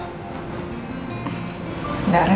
gak repot sama sekali